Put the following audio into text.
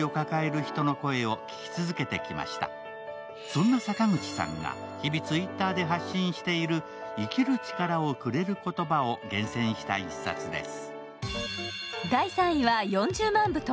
そんな坂口さんが日々Ｔｗｉｔｔｅｒで発信している生きる力をくれる言葉を厳選した１冊です。